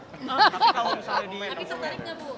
tapi tertarik nggak bu